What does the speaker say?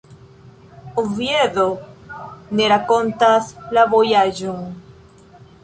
Oviedo ne rakontas la vojaĝon.